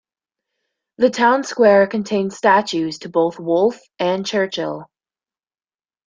The town square contains statues to both Wolfe and Churchill.